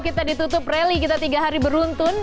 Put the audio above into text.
kita ditutup rally kita tiga hari beruntun